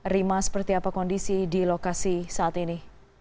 rima seperti apa kondisi di lokasi saat ini